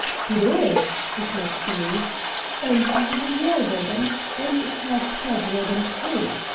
"It is!" declared Kinney; "and I have a Yale ribbon, and a Turf Club ribbon, too.